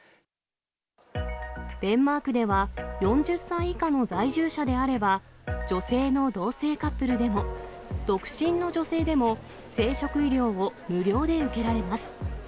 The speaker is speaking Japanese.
デンマークでは、４０歳以下の在住者であれば、女性の同性カップルでも、独身の女性でも、生殖医療を無料で受けられます。